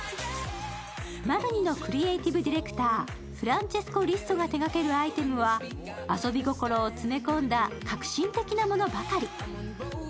マルニのクリエイティブディレクターフランチェスコ・リッソが手がけるアイテムは遊び心を詰め込んだ革新的なものばかり。